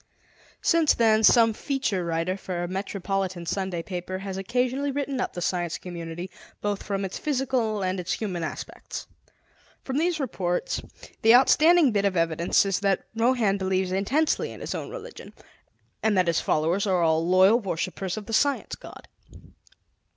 Since then, some feature writer for a metropolitan Sunday paper has occasionally written up the Science Community, both from its physical and its human aspects. From these reports, the outstanding bit of evidence is that Rohan believes intensely in his own religion, and that his followers are all loyal worshippers of the Science God.